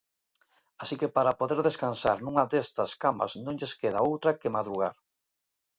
Así que para poder descansar nunha destas camas non lles queda outra que madrugar.